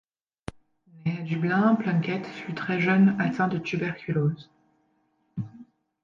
Né à Dublin, Plunkett fut très jeune atteint de tuberculose.